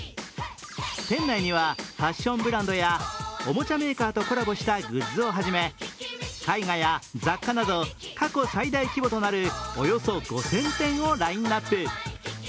店内にはファッションブランドやおもちゃメーカーとコラボしたグッズをはじめ絵画や雑貨など過去最大規模となるおよそ５０００点をラインアップ。